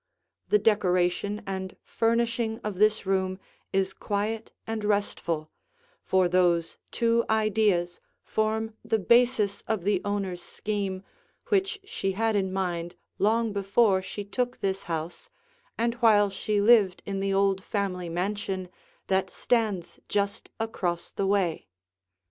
The decoration and furnishing of this room is quiet and restful, for those two ideas form the basis of the owner's scheme which she had in mind long before she took this house and while she lived in the old family mansion that stands just across the way.